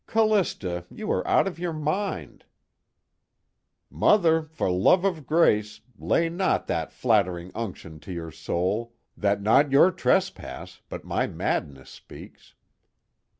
"Callista, you are out of your mind." "'Mother, for love of grace, lay not that flattering unction to your soul, that not your trespass but my madness speaks.'"